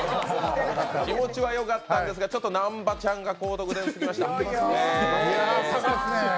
気持ちは良かったんですがちょっと南波ちゃんが高得点すぎました。